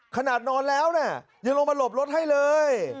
ขนาดนอนแล้วเนี่ยยังลงมาหลบรถให้เลย